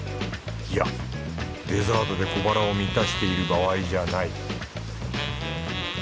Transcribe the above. いやデザートで小腹を満たしている場合じゃない